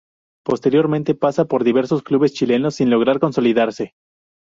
Posteriormente pasa por diversos clubes chilenos, sin lograr consolidarse.